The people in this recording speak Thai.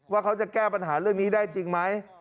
ว่าเขาจะแก้ปัญหาเรื่องนี้ได้จริงไหม